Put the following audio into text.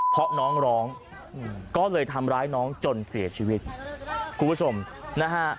เพราะน้องร้องก็เลยทำร้ายน้องจนเสียชีวิตคุณผู้ชมนะฮะ